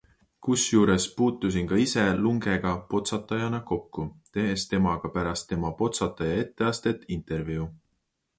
Kusjuures puutusin ka ise Lungega Potsatajana kokku, tehes temaga pärast tema Potsataja etteastet intervjuu.